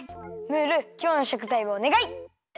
ムールきょうのしょくざいをおねがい！